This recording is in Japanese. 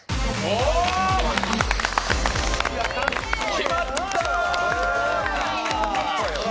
決まった！